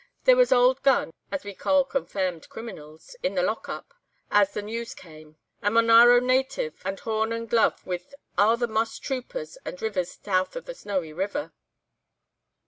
There was an 'auld gun' (as we ca' confairmed creeminals) in the lock up, as the news came; a Monaro native, and haun and glove with a' the moss troopers and reivers south of the Snowy River.